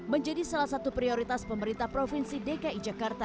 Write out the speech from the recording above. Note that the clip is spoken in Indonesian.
menjadi salah satu prioritas pemerintah provinsi dki jakarta